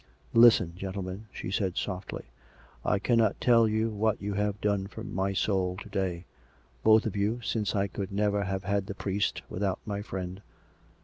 " Listen, gentlemen," she said softly, " I cannot tell you what you have done for my soul to day — both of you, since I could never have had the priest without my friend.